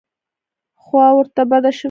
خوا ورته بده شوې ده.